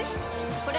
これ！